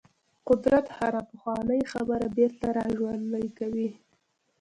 قدرت هره پخوانۍ خبره بیرته راژوندۍ کوي.